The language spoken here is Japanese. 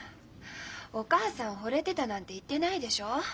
お母さん「ほれてた」なんて言ってないでしょう。